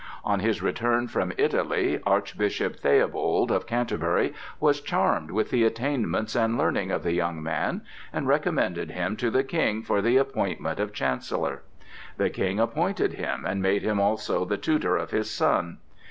On his return from Italy Archbishop Theobald of Canterbury was charmed with the attainments and learning of the young man, and recommended him to the King for the appointment of Chancellor. The King appointed him and made him also the tutor of his son.